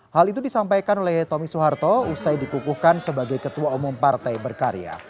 hal itu disampaikan oleh tommy soeharto usai dikukuhkan sebagai ketua umum partai berkarya